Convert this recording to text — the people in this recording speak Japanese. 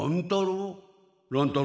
乱太郎？